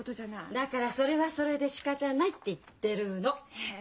だからそれはそれでしかたないって言ってるの。